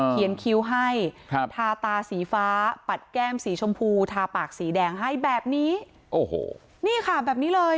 คิ้วให้ครับทาตาสีฟ้าปัดแก้มสีชมพูทาปากสีแดงให้แบบนี้โอ้โหนี่ค่ะแบบนี้เลย